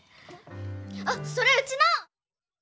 あっそれうちの！